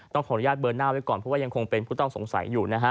ขออนุญาตเบอร์หน้าไว้ก่อนเพราะว่ายังคงเป็นผู้ต้องสงสัยอยู่นะฮะ